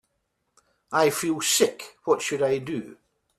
I feel sick, what should I do?